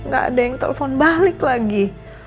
gak ada yang telepon balik lagi